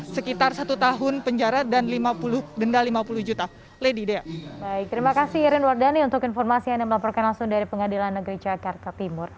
sekitar satu tahun penjara dan denda lima puluh juta